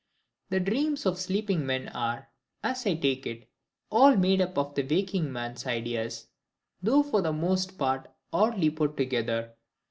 The dreams of sleeping men are, as I take it, all made up of the waking man's ideas; though for the most part oddly put together.